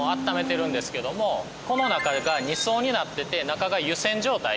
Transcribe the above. この中が２層になってて中が湯煎状態。